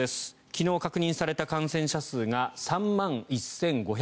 昨日確認された感染者数が３万１５９３人。